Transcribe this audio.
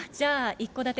一戸建て？